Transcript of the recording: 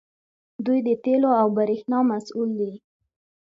دوی د تیلو او بریښنا مسوول دي.